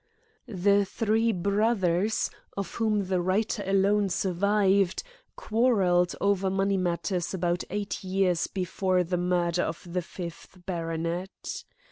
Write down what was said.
The three brothers, of whom the writer alone survived, quarrelled over money matters about eight years before the murder of the fifth baronet.